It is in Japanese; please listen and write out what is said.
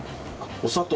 お砂糖。